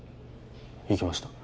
行きました